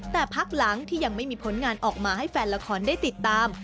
แต่พักหลังที่ยังไม่มีผลงานออกมาให้แฟนละครได้ติดตาม